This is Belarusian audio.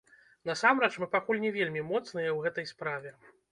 Насамрэч, мы пакуль не вельмі моцныя ў гэтай справе.